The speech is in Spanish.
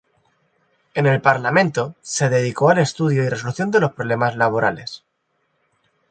En el parlamento se dedicó al estudio y resolución de los problemas laborales.